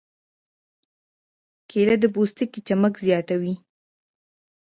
کېله د پوستکي چمک زیاتوي.